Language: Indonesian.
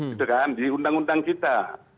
gitu kan di undang undang kita